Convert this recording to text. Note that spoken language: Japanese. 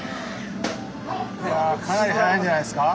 これはかなり速いんじゃないですか？